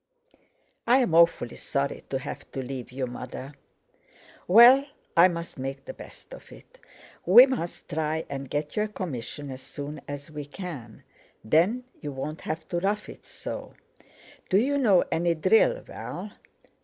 "I'm awfully sorry to have to leave you, Mother." "Well, I must make the best of it. We must try and get you a commission as soon as we can; then you won't have to rough it so. Do you know any drill, Val?"